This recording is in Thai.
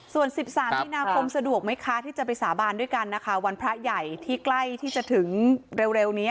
ส่วน๑๓มีนาคมสะดวกไหมคะที่จะไปสาบานด้วยกันนะคะวันพระใหญ่ที่ใกล้ที่จะถึงเร็วนี้